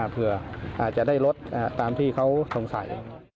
เผื่ออาจจะได้ลดตามที่เขาสงสัย